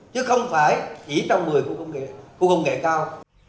chứ không phải chỉ trong một mươi khu công nghệ cao